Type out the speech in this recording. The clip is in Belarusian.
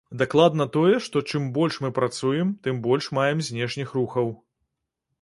Дакладна тое, што чым больш мы працуем, тым больш маем знешніх рухаў.